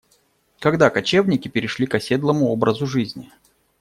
Когда кочевники перешли к оседлому образу жизни?